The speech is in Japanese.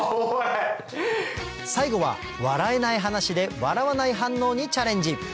最後は笑えない話で笑わない反応にチャレンジ